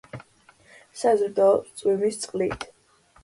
საზრდოობს წვიმის წყლით.